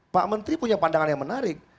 pak menteri punya pandangan yang menarik